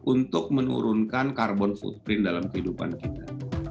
untuk menurunkan carbon footprint dalam kehidupan kita